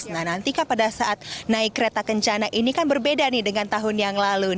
nah nanti kan pada saat naik kereta kencana ini kan berbeda nih dengan tahun yang lalu